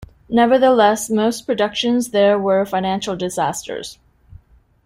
Nevertheless, most productions there were financial disasters.